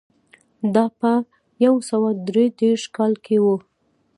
دا په یو سوه درې دېرش کال کې و